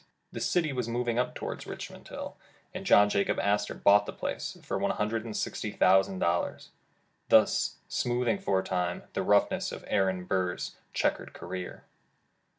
The city was moving up to ward Richmond Hill, and John Jacob Astor bought the place for one hundred and sixty thousand dollars, thus smoothing for a time the roughness of Aaron Burr's checkered career.